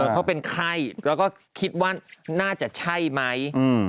เขาเป็นไข้แล้วก็คิดว่าน่าจะใช่ไหม